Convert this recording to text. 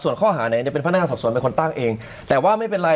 ส่วนข้อหาเนี่ยจะเป็นพนักงานสอบสวนเป็นคนตั้งเองแต่ว่าไม่เป็นไร